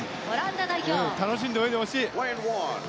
楽しんで泳いでほしい。